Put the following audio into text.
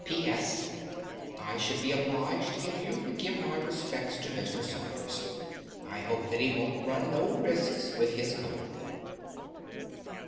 "P.S.—I should be obliged if you would give my respects to Mr. Saunders. I hope that he won't run no risks with his cold."